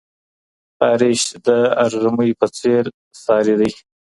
خارښ د ارږمي په څېر ساري دی.